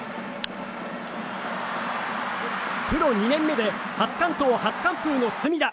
プロ２年目で初完封・初完投の隅田。